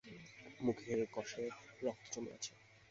মুখের কষে রক্ত জমে আছে।